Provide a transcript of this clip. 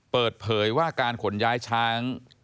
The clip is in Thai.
เปิดเผยว่าการขนย้ายช้าง